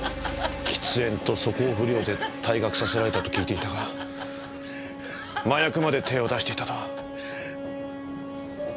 喫煙と素行不良で退学させられたと聞いていたが麻薬まで手を出していたとは。